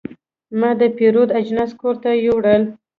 ما د پیرود اجناس کور ته یوړل.